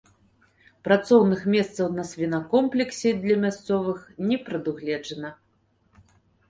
Працоўных месцаў на свінакомплексе для мясцовых не прадугледжана.